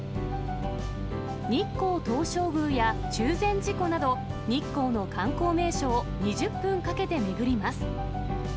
日光東照宮や中禅寺湖など、日光の観光名所を２０分かけて巡ります。